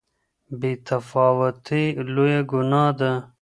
بې تفاوتي لويه ګناه ده.